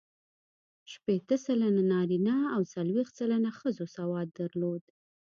شپېته سلنه نارینه او څلوېښت سلنه ښځو سواد درلود.